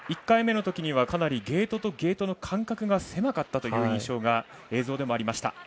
１回目のときにはかなりゲートとゲートの間隔が狭かったという印象が映像でもありました。